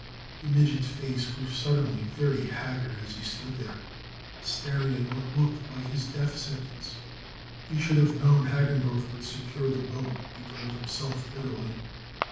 The midget's face grew suddenly very haggard as he stood there, staring at what looked like his death sentence. He should have known Hagendorff would secure the boat, he told himself bitterly.